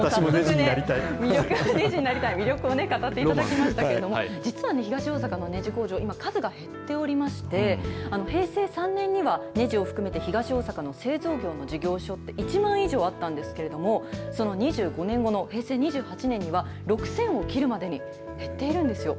ねじになりたい、魅力を語っていただきましたけれども、実は東大阪のねじ工場、今、数が減っておりまして、平成３年にはねじを含めて東大阪の製造業の事業所って１万以上あったんですけれども、その２５年後の平成２８年には６０００を切るまでに減っているんですよ。